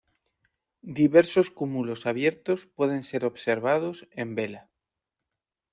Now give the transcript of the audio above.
Diversos cúmulos abiertos pueden ser observados en Vela.